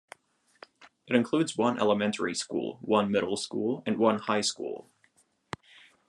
It includes one elementary school, one middle school, and one high school.